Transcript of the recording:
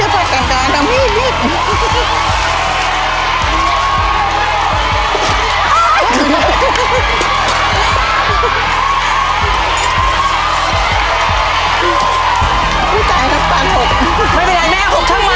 เฮ้ยเดี๋ยวพาต่างการนะ